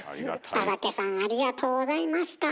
田サケさんありがとうございました。